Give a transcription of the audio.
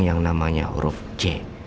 yang namanya huruf c